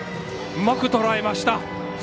うまく捉えました。